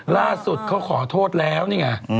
ล่าสุดเขาขอโทษแล้วนี่ไง